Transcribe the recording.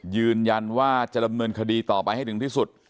ยืนยันว่าจะดำเนินคดีต่อไปให้ถึงที่สุด